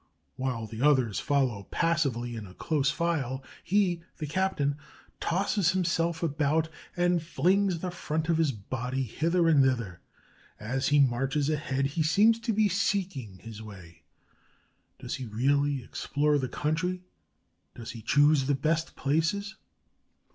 While the others follow passively in a close file, he, the captain, tosses himself about and flings the front of his body hither and thither. As he marches ahead he seems to be seeking his way. Does he really explore the country? Does he choose the best places?